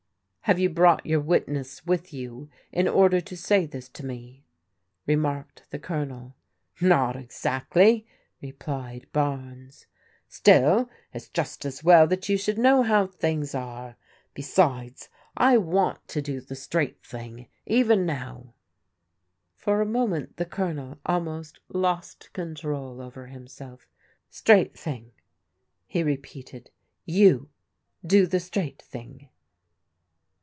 " Have you brought your witness with you in order to say this to me? " remarked the Colonel. " Not exactly," replied Bames, " still, it's just as well that you should know how things are. Besides, I want to do the straight thing, even now." For a moment the Colonel almost lost control over himself. " Straight thing," he repeated. "You do the straight thing."